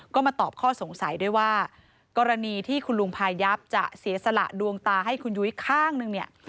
ก็มาตอบข้อสงสัยด้วยว่ากรณีที่คุณลุงพายับจะเสียสละดวงตาให้คุณยุ้ยข้างนึงเนี่ย